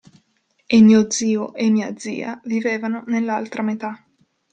E mio zio e mia zia vivevano nell'altra metà.